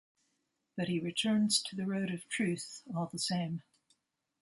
But he returns to the road of truth all the same.